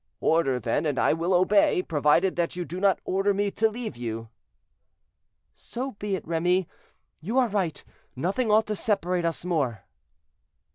Order, then, and I will obey, provided that you do not order me to leave you." "So be it, Remy; you are right; nothing ought to separate us more."